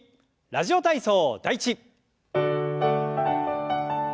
「ラジオ体操第１」。